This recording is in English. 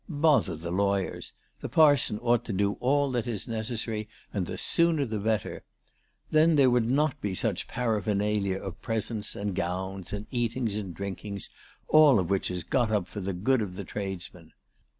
" Bother the lawyers ! The parson ought to do all that is necessary, and the sooner the better. Then there would not be such paraphernalia of presents and gowns and eatings and drinkings, all of which is got up for the good of the tradesmen.